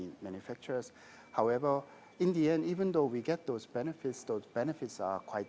namun dalam akhirnya walaupun kita mendapatkan manfaat manfaat tersebut